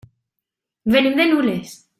Venim de Nules.